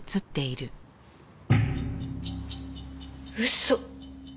嘘！